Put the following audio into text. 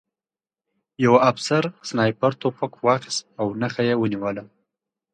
یوه افسر سنایپر توپک واخیست او نښه یې ونیوله